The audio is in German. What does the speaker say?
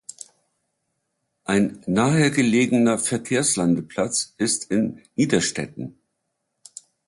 Ein nahe gelegener Verkehrslandeplatz ist in Niederstetten.